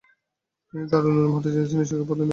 তিনি দারুল উলুম হাটহাজারীতে সিনিয়র শিক্ষক পদে নিযুক্ত হন।